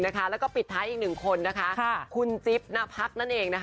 แล้วก็ปิดท้ายอีกหนึ่งคนนะคะคุณจิ๊บณพักนั่นเอง